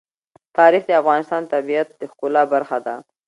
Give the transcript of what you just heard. تاریخ د افغانستان د طبیعت د ښکلا برخه ده.